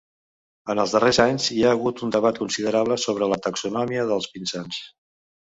En els darrers anys, hi ha hagut un debat considerable sobre la taxonomia dels pinsans.